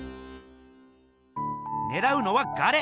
ねらうのは「ガレ」！